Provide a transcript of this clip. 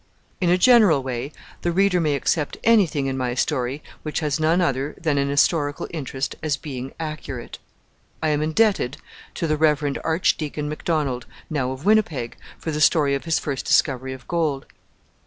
In a general way the reader may accept anything in my story which has none other than an historical interest as being accurate. I am indebted to the Rev. Archdeacon Macdonald, now of Winnipeg, for the story of his first discovery of gold.